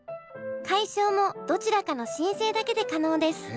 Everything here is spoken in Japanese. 解消もどちらかの申請だけで可能です。